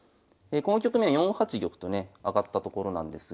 この局面４八玉とね上がったところなんですが。